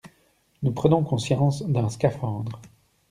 Nous prenons conscience d'un scaphandre.